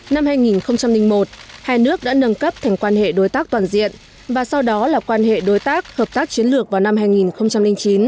năm hai nghìn một hai nước đã nâng cấp thành quan hệ đối tác toàn diện và sau đó là quan hệ đối tác hợp tác chiến lược vào năm hai nghìn chín